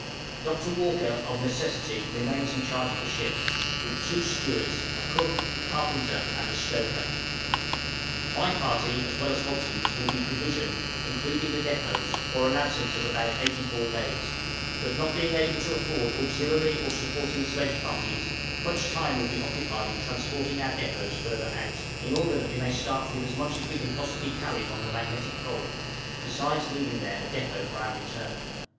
Dr. Walker, of necessity, remains in charge of the ship, with two stewards, a cook, a carpenter, and a stoker. My party, as well as Hobson's, will be provisioned, including the depôts, for an absence of about eighty four days; but not being able to afford auxiliary or supporting sledge parties, much time will be occupied in transporting our depôts further out, in order that we may start with as much as we can possibly carry, from the Magnetic Pole, besides leaving there a depôt for our return.